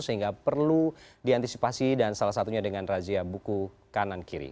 sehingga perlu diantisipasi dan salah satunya dengan razia buku kanan kiri